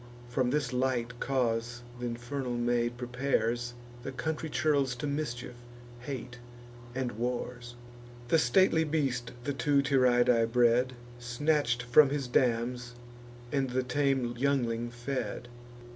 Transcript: From this light cause th' infernal maid prepares The country churls to mischief, hate, and wars. The stately beast the two Tyrrhidae bred, Snatch'd from his dams, and the tame youngling fed.